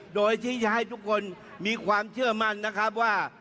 โดยที่จะให้ทุกคนมีความเชื่อมั่นนะครับว่า